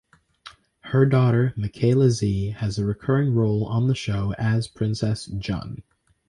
Her daughter Michaela Zee has a recurring role on the show as Princess Jun.